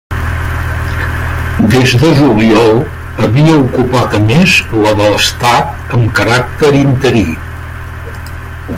Des de juliol havia ocupat a més la d'Estat amb caràcter interí.